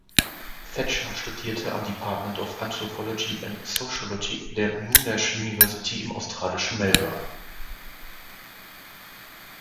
Thatcher studierte am Department of Anthropology and Sociology der Monash University im australischen Melbourne.